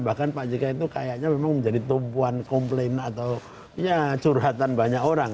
bahkan pak jk itu kayaknya memang menjadi tumpuan komplain atau ya curhatan banyak orang